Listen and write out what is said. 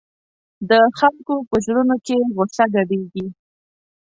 د خلکو په زړونو کې غوسه ګډېږي.